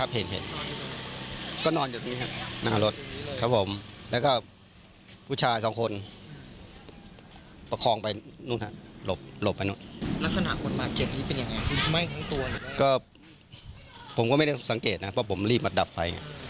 ผมก็ไม่ได้สังเกตนะเพราะผมรีบมาดับไฟ